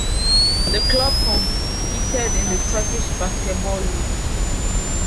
The club competed in the Turkish Basketball League.